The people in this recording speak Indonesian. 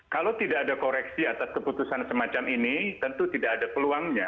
kalau tidak ada koreksi atas keputusan semacam ini tentu tidak ada keputusan yang akan diadakan